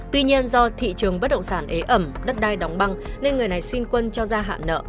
tuy nhiên do thị trường bất động sản ế ẩm đất đai đóng băng nên người này xin quân cho gia hạn nợ